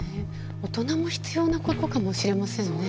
大人も必要なことかもしれませんね。